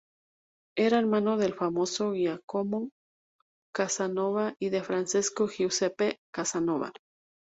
Era hermano del famoso Giacomo Casanova y de Francesco Giuseppe Casanova.